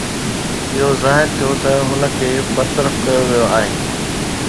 اهو ظاهر ٿيو ته هن کي برطرف ڪيو ويو آهي